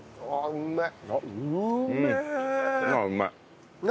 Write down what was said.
うめえ！